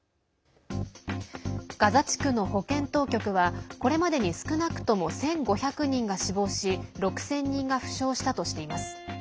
ガザ地区の保健当局はこれまでに少なくとも１５００人が死亡し６０００人が負傷したとしています。